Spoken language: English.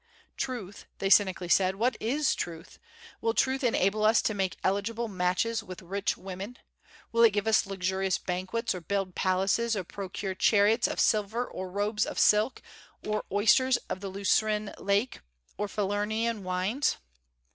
"Truth," they cynically said, "what is truth? Will truth enable us to make eligible matches with rich women? Will it give us luxurious banquets, or build palaces, or procure chariots of silver, or robes of silk, or oysters of the Lucrine lake, or Falernian wines?